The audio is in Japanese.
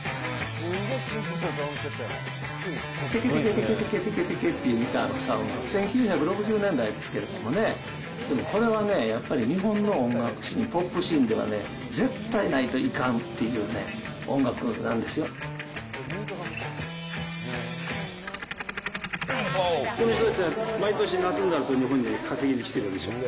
てけてけてけてけっていうギターのサウンド、１９６０年代ですけれどもね、でもこれはね、やっぱり日本の音楽史のポップシーンでは絶対ないといかんっていこの人たちは、毎年夏になると、日本に稼ぎに来てるでしょ。